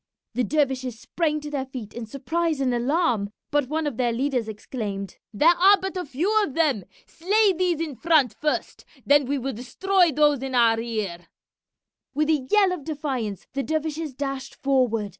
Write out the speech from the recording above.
The dervishes sprang to their feet in surprise and alarm, but one of their leaders exclaimed, "There are but a few of them! Slay these in front first, then we will destroy those in our rear!" With a yell of defiance the dervishes dashed forward.